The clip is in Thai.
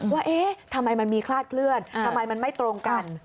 ว่าไหมมันมีคลาดเคลื่อนมันไม่ตรงกัน